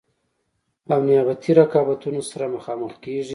او نیابتي رقابتونو سره مخامخ کیږي.